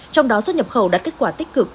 trong đó xuất nhập khẩu đạt kết quả tích cực